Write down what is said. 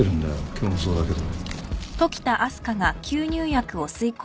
今日もそうだけど。